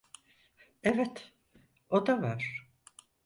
Evet, o da var.